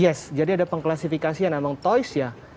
yes jadi ada pengklasifikasi yang memang toys ya